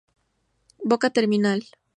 Boca terminal.